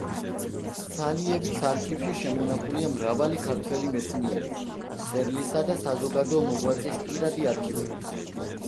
სალიების არქივებში შემონახულია მრავალი ქართველი მეცნიერის, მწერლისა და საზოგადო მოღვაწის პირადი არქივები.